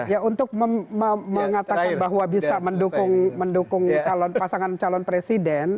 ya untuk mengatakan bahwa bisa mendukung pasangan calon presiden